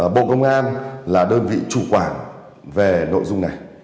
bộ công an là đơn vị chủ quản về nội dung này